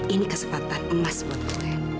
ini kesempatan emas buat korean